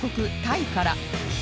タイから